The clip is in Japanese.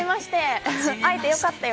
会えて良かったよ。